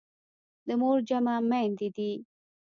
د مور جمع میندي دي.